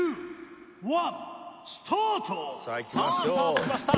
さあスタートしました